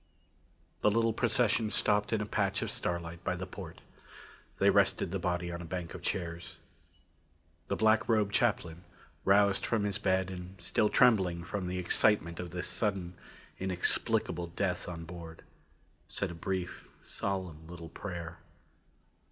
The little procession stopped in a patch of starlight by the port. They rested the body on a bank of chairs. The black robed chaplain, roused from his bed and still trembling from excitement of this sudden, inexplicable death on board, said a brief, solemn little prayer.